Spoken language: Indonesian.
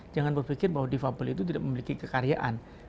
jangan berpikir bahwa defable itu tidak memiliki kekaryaan